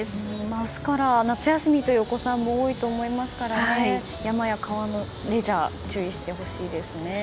明日から夏休みというお子さんも多いと思いますから山や川のレジャー注意してほしいですね。